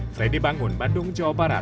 kepala persib bandung tiongkok jawa barat